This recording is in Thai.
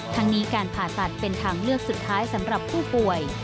ทั้งนี้การผ่าตัดเป็นทางเลือกสุดท้ายสำหรับผู้ป่วย